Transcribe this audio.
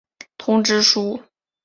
通知书。